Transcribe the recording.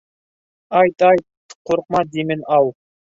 — Айт, айт, ҡурҡма димен ау!